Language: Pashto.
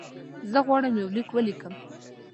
زه غواړم یو لیک ولیکم.